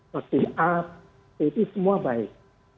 vaksin a b itu semua baik